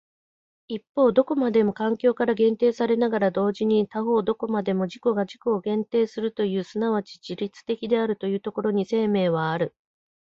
一方どこまでも環境から限定されながら同時に他方どこまでも自己が自己を限定するという即ち自律的であるというところに生命はある。